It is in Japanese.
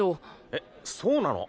えそうなの？